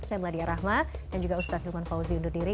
saya meladia rahma dan juga ustadz hilman fauzi undur diri